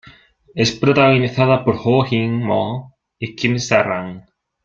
Es protagonizada por Joo Jin Mo y Kim Sa Rang.